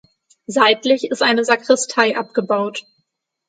Seitlich ist eine Sakristei abgebaut.